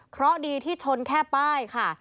เพราะดีที่ชนแค่ป้ายค่ะ